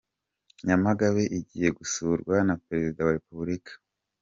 Nyamagabe igiye gusurwa na Perezida wa Repubulika